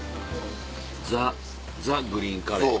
ザザグリーンカレー。